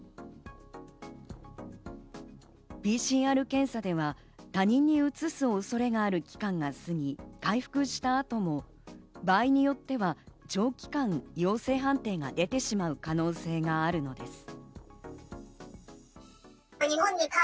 ＰＣＲ検査では他人にうつす恐れがある期間が過ぎ、回復した後も場合によっては長期間陽性判定が出てしまう可能性があるのです。